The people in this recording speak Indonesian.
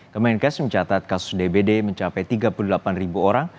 kemenkes mencatat kasus dbd mencapai tiga puluh delapan ribu orang